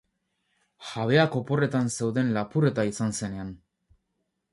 Jabeak oporretan zeuden lapurreta izan zenean.